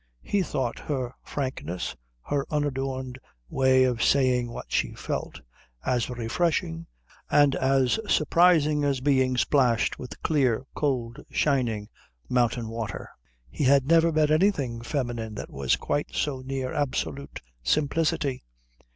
He thought her frankness, her unadorned way of saying what she felt, as refreshing and as surprising as being splashed with clear cold shining mountain water. He had never met anything feminine that was quite so near absolute simplicity.